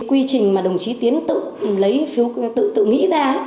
quy trình mà đồng chí tiến tự lấy phiếu tự nghĩ ra